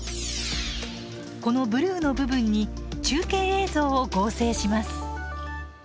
このブルーの部分に中継映像を合成します。